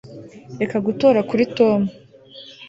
Reka gutora kuri Tom